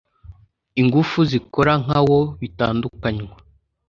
ingufu zikora nka wo bitandukanywa